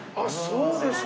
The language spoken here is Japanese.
そうですか。